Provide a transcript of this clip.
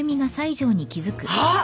あっ！